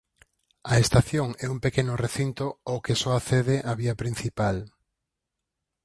A estación é un pequeno recinto ao que só accede a vía principal.